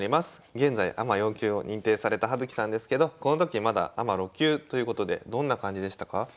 現在アマ４級を認定された葉月さんですけどこの時まだアマ６級ということでどんな感じでしたか？